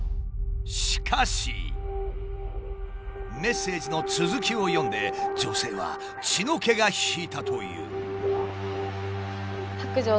しかしメッセージの続きを読んで女性は血の気が引いたという。